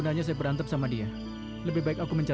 dia itu bukan gadis siluman